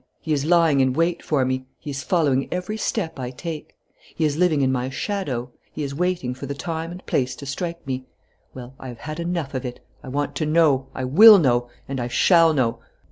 He is lying in wait for me. He is following every step I take. He is living in my shadow. He is waiting for the time and place to strike me. Well, I have had enough of it. I want to know, I will know, and I shall know.